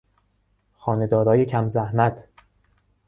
خانه دارای کم زحمت